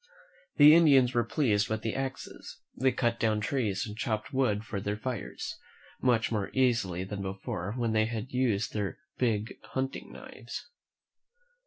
The Indians were pleased with these axes. They cut down trees and chopped wood for their fires, much more easily than before, when they had used their big hunting knives.